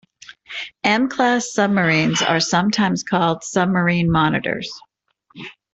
M-class submarines are sometimes called submarine monitors.